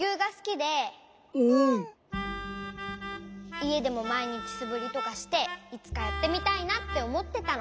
いえでもまいにちすぶりとかしていつかやってみたいなっておもってたの。